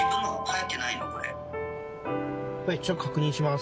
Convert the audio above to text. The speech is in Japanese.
一度確認します